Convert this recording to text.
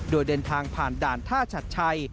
โดยเดินทางผ่านด่านท่าชัดชัย